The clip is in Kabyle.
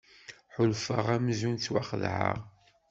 Ḥulfaɣ amzun ttwaxedɛeɣ.